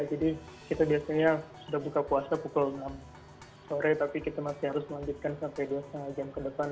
jadi kita biasanya sudah buka puasa pukul enam sore tapi kita masih harus melanjutkan sampai dua lima jam ke depan